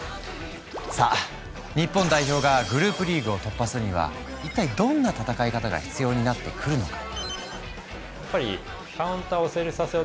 さあ日本代表がグループリーグを突破するには一体どんな戦い方が必要になってくるのか？